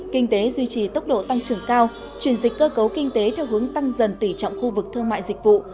kinh tế duy trì tốc độ tăng trưởng cao chuyển dịch cơ cấu kinh tế theo hướng tăng dần tỉ trọng khu vực thương mại dịch vụ